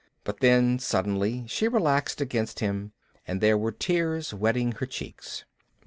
But then suddenly she relaxed against him and there were tears wetting her cheeks.